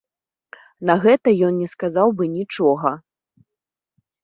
На гэта ён не сказаў бы нічога.